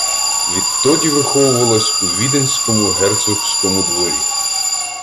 Відтоді виховувалась у віденському герцогському дворі.